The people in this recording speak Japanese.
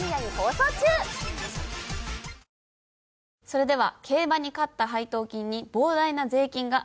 それでは「競馬に勝った配当金に膨大な税金が！